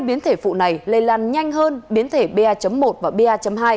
biến thể phụ này lây lan nhanh hơn biến thể ba một và ba hai